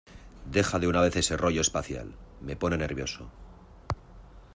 ¡ Deja de una vez ese rollo espacial! Me pone nervioso.